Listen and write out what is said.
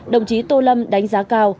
đồng chí tô lâm đánh giá cao